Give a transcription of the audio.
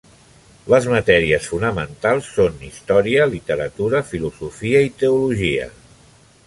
Les matèries fonamentals son Història, Literatura, Filosofia i Teologia.